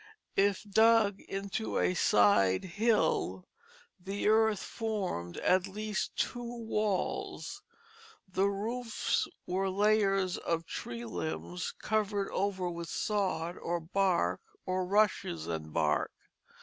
If dug into a side hill, the earth formed at least two walls. The roofs were layers of tree limbs covered over with sod, or bark, or rushes and bark.